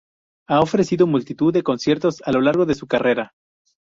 Ha ofrecido multitud de conciertos a lo largo de su carrera.